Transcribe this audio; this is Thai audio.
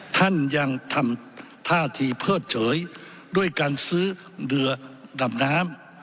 ท่านยังทำท่าทีเพิดเฉยด้วยการซื้อเรือดำน้ำ